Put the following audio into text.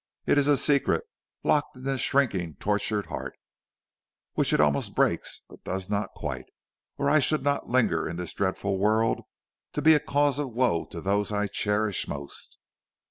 It is a secret, locked in this shrinking, tortured heart, which it almost breaks, but does not quite, or I should not linger in this dreadful world to be a cause of woe to those I cherish most."